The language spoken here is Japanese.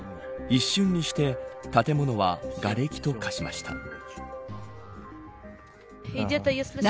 一瞬にして建物はがれきと化しました。